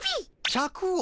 シャクを？